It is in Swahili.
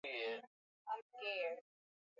kuwa ipo pande gani kuhakikisha kwamba